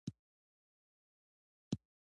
طلا د افغانستان د ځمکې د جوړښت نښه ده.